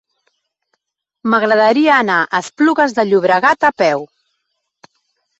M'agradaria anar a Esplugues de Llobregat a peu.